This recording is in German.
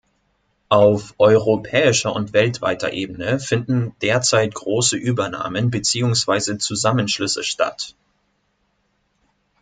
Auf europäischer und weltweiter Ebene finden derzeit große Übernahmen beziehungsweise Zusammenschlüsse statt.